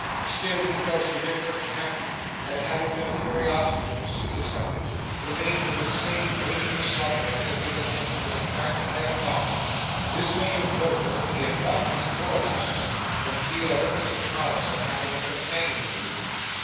Still, he felt indifferent and happy; and having no curiosity to pursue the subject, remained in the same waking slumber until his attention was attracted by a cough. This made him doubt whether he had locked his door last night, and feel a little surprised at having a companion in the room.